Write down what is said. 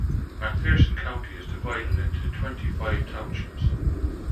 McPherson County is divided into twenty-five townships.